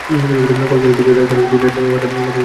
Kolkata doctor ডাক্তার এল– দিনরাত মাথায় বরফ চাপিয়ে রাখলে।